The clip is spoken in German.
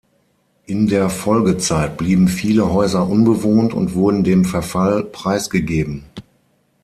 In der Folgezeit blieben viele Häuser unbewohnt und wurden dem Verfall preisgegeben.